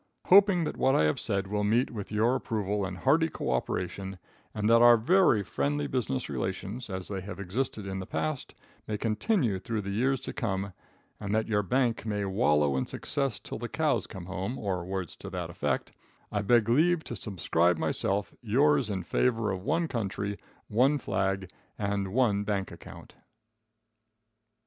Hoping that what I have said will meet with your approval and hearty cooperation, and that our very friendly business relations, as they have existed in the past, may continue through the years to come, and that your bank may wallow in success till the cows come home, or words to that effect, I beg leave to subscribe myself, yours in favor of one country, one flag and one bank account.